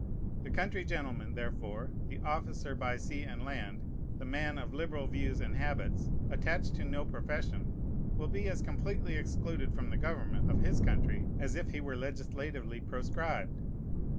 The country gentleman, therefore, the officer by sea and land, the man of liberal views and habits, attached to no profession, will be as completely excluded from the government of his country as if he were legislatively proscribed.